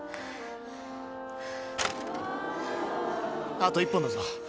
あと１本だぞ。